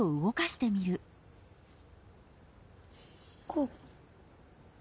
こう？